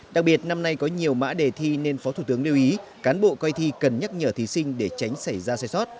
đặc biệt năm nay có nhiều mã đề thi nên phó thủ tướng lưu ý cán bộ coi thi cần nhắc nhở thí sinh để tránh xảy ra sai sót